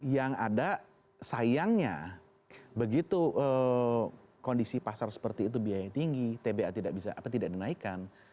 yang ada sayangnya begitu kondisi pasar seperti itu biayanya tinggi tba tidak dinaikkan